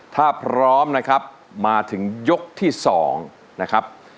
ถ้าพร้อมนะครับมาถึงยกที่๒นะครับ